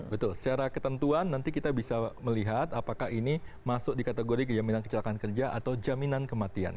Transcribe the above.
betul secara ketentuan nanti kita bisa melihat apakah ini masuk di kategori kejaminan kecelakaan kerja atau jaminan kematian